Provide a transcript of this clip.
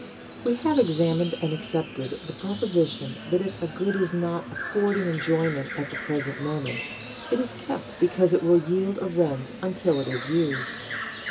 We have examined and accepted the proposition that if a good is not affording enjoyment at the present moment it is kept because it will yield a rent until it is used.